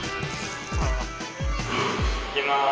いきます。